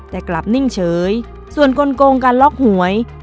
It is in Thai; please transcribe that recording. แต่กลับนิ่งเฉยส่วนกลงการล็อกหวย